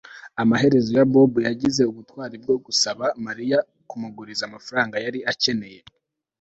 Amaherezo Bobo yagize ubutwari bwo gusaba Mariya kumuguriza amafaranga yari akeneye